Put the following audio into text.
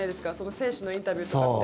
選手のインタビューとかって。